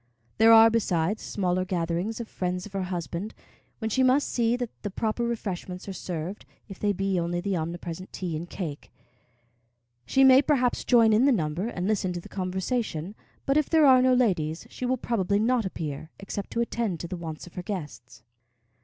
There are, besides, smaller gatherings of friends of her husband, when she must see that the proper refreshments are served, if they be only the omnipresent tea and cake. She may, perhaps, join in the number and listen to the conversation; but if there are no ladies, she will probably not appear, except to attend to the wants of her guests.